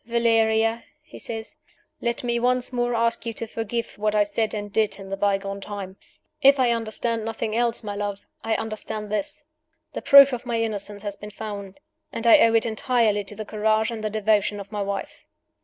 "Valeria!" he says; "let me once more ask you to forgive what I said and did in the bygone time. If I understand nothing else, my love, I understand this: The proof of my innocence has been found; and I owe it entirely to the courage and the devotion of my wife!"